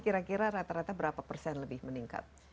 kira kira rata rata berapa persen lebih meningkat